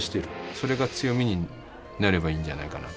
それが強みになればいいんじゃないかな。